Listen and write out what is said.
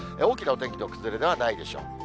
大きなお天気の崩れではないでしょう。